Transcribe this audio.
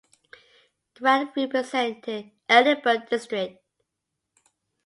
Grant represented Edinburgh District.